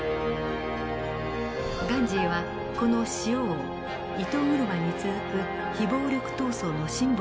ガンジーはこの塩を糸車に続く非暴力闘争のシンボルとしました。